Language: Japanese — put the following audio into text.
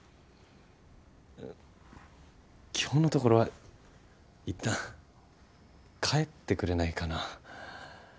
今日のところは一旦帰ってくれないかな。